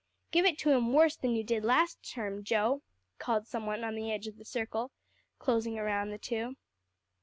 "Give it to him worse than you did last term, Joe," called some one on the edge of the circle closing around the two.